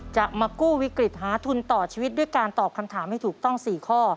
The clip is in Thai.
จะมากู้วิกฤตหาทุนต่อชีวิตด้วยการตอบคำถามให้ถูกต้อง๔ข้อ